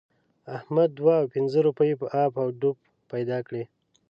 احمد دوه او پينځه روپۍ په اپ و دوپ پیدا کړې.